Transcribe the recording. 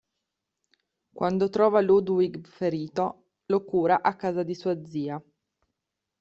Quando trova Ludwig ferito, lo cura a casa di sua zia.